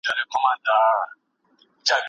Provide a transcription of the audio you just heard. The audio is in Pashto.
خدای ج د انسانانو ترمنځ توپیر نه کوي.